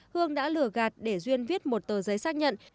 hương đã lửa gạt để duyên viết một tờ giấy xác nhận